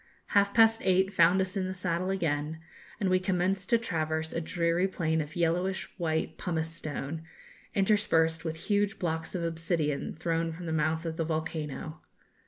Half past eight found us in the saddle again, and we commenced to traverse a dreary plain of yellowish white pumice stone, interspersed with huge blocks of obsidian, thrown from the mouth of the volcano.